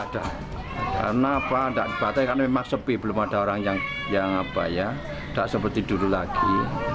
tidak ada karena memang sepi belum ada orang yang tidak seperti dulu lagi